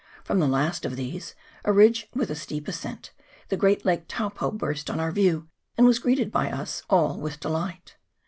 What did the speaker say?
From the last of these, a ridge with a steep ascent, the great Lake Taupo burst on our view, and was greeted by us all with delight.